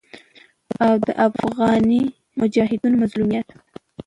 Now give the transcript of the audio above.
او د افغاني مجاهدينو مظلوميت